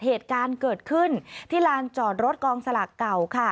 เหตุการณ์เกิดขึ้นที่ลานจอดรถกองสลากเก่าค่ะ